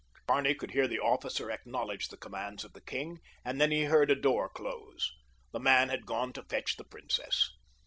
Barney could hear the officer acknowledge the commands of the king, and then he heard a door close. The man had gone to fetch the princess.